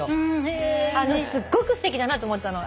すっごくすてきだなと思ったの。